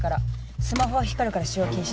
スマホは光るから使用禁止で。